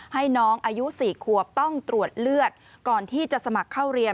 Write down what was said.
ให้น้องอายุ๔ขวบต้องตรวจเลือดก่อนที่จะสมัครเข้าเรียน